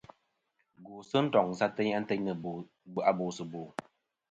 Gwosɨ ndoŋsɨ ateyn a bòsɨ bò.